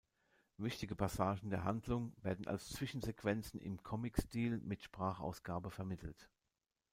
Wichtige Passagen der Handlung werden als Zwischensequenzen im Comicstil mit Sprachausgabe vermittelt.